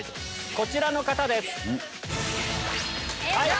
こちらの方です！